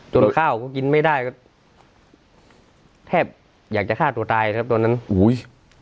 ข้าวก็กินไม่ได้ก็แทบอยากจะฆ่าตัวตายครับตอนนั้นอุ้ย